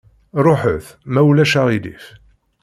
Ruḥet, ma ulac aɣilif!